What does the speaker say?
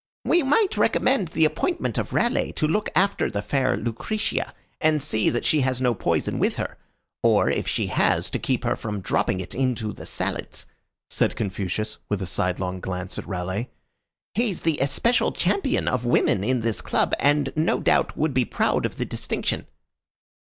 "We might recommend the appointment of Raleigh to look after the fair Lucretia and see that she has no poison with her, or if she has, to keep her from dropping it into the salads," said Confucius, with a sidelong glance at Raleigh. "He's the especial champion of woman in this club, and no doubt would be proud of the distinction."